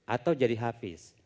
atau jadi hafiz